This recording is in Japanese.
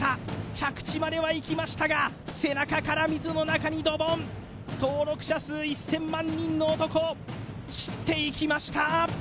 着地まではいきましたが背中から水の中にドボン登録者数１０００万人の男散っていきました